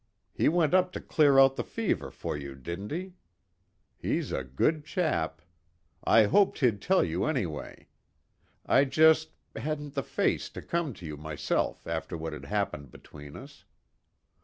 He went up to clear out the fever for you, didn't he? He's a good chap. I hoped he'd tell you anyway. I just hadn't the face to come to you myself after what had happened between us.